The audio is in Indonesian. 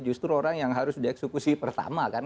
justru orang yang harus dieksekusi pertama kan